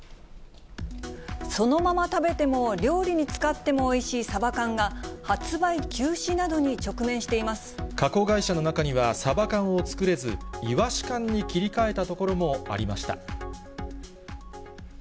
そのまま食べても、料理に使ってもおいしいサバ缶が、加工会社の中には、サバ缶を作れず、イワシ缶に切り替えたところもありました。